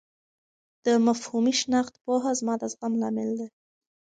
د مفهومي شناخت پوهه زما د زغم لامل ده.